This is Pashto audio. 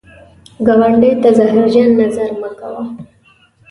ګاونډي ته زهرجن نظر مه کوه